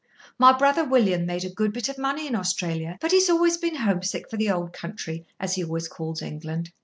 My brother William made a good bit of money in Australia, but he has always been homesick for the old country, as he always calls England.